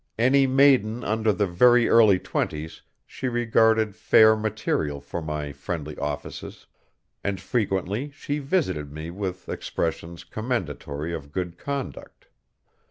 Any maiden under the very early twenties she regarded fair material for my friendly offices, and frequently she visited me with expressions commendatory of good conduct.